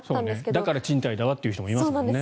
だから賃貸だわという人もいますよね。